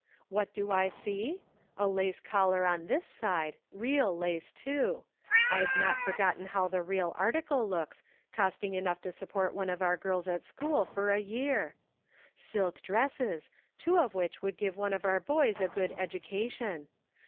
What do I see ? A lace collar on this side, real lace too ; I've not forgotten how the real article looks, costing enough to support one of our girls at school for a year ! silk dresses, two of which would give one of our boys a good education.